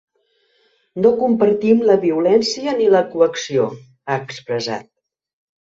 “No compartim la violència ni la coacció”, ha expressat.